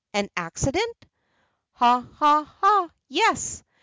"Any accident? " "Ha, ha, ha! yes.